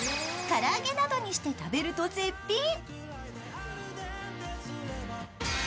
から揚げなどにして食べると絶品。